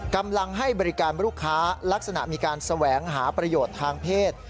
กำลังให้บริการลูกค้าลักษณะมีการแสวงหาประโยชน์ทางเพศ